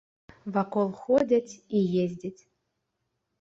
Вакол ходзяць і ездзяць.